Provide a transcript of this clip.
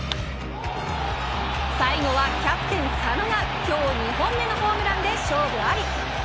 最後はキャプテン佐野が今日２本目のホームランで勝負あり。